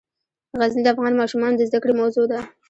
غزني د افغان ماشومانو د زده کړې موضوع ده.